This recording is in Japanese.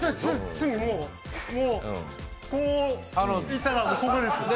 すぐもうこう行ったら、ここです。